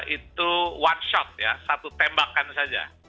itu one shop ya satu tembakan saja